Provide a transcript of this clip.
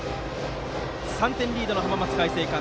３点リードの浜松開誠館。